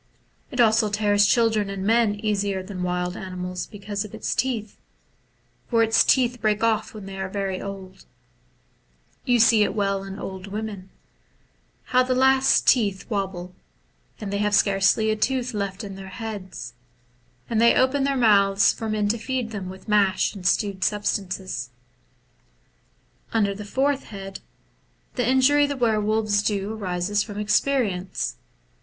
It also tears children and men easier than wild animals, because of its teeth, for its teeth break off when it is very old ; you see it well in old women : how the last teeth wobble, and thev have scarcely a tooth left in their heads, and they open their mouths for men to feed them with mash and stewed substances. Under the fourth head, the injury the were wolves do arises from experience.